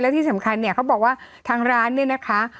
ที่สำคัญเนี่ยเขาบอกว่าทางร้านเนี่ยนะคะ